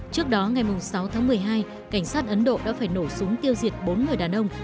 trước đó ngày sáu tháng một mươi hai cảnh sát ấn độ đã phải nổ súng tiêu diệt bốn người đàn ông